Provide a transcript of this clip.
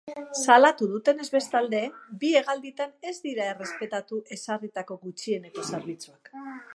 Salatu dutenez, bestalde, bi hegalditan ez dira errespetatu ezarritako gutxieneko zerbitzuak.